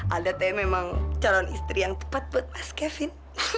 ada teh memang calon istri yang tepat buat mas kevin